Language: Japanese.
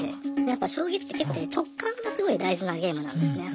やっぱ将棋って直感がすごい大事なゲームなんですね。